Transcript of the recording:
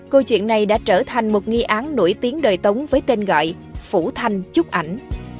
câu chuyện này đã trở thành một nghi án nổi tiếng đời tống với tên gọi phủ thanh chúc ảnh